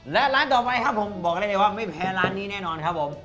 และร้านต่อไปครับผมบอกได้เลยว่าไม่แพ้ร้านนี้แน่นอนครับผม